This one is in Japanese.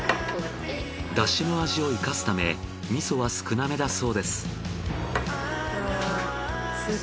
出汁の味を生かすため味噌は少なめだそうです。